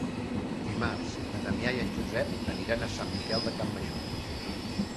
Dimarts na Damià i en Josep aniran a Sant Miquel de Campmajor.